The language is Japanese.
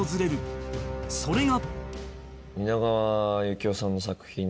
それが